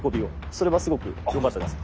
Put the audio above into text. それはすごくよかったです。